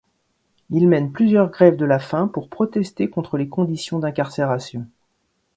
Il mène plusieurs grèves de la faim pour protester contre les conditions d’incarcération.